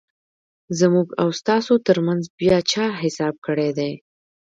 زموږ او ستاسو ترمنځ بیا چا حساب کړیدی؟